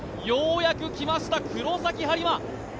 ようやく来ました、黒崎播磨。